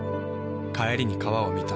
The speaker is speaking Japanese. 帰りに川を見た。